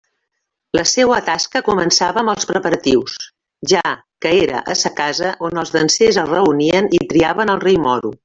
La seua tasca començava amb els preparatius, ja que era a sa casa on els dansers es reunien i triaven el Rei Moro.